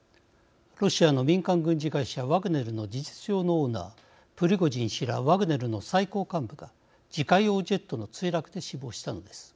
ロシアの民間軍事会社ワグネルの事実上のオーナープリゴジン氏らワグネルの最高幹部が自家用ジェットの墜落で死亡したのです。